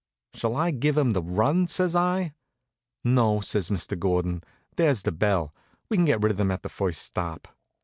"Shall I give 'em the run?" says I. "No," says Mr. Gordon; "there's the bell. We can get rid of them at the first stop."